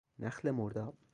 نخل مرداب